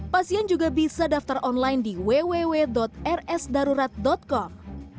pasien juga bisa daftar online di www rsdarurat com